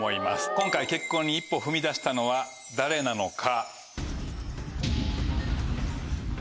今回結婚に一歩踏み出したのは誰なのか？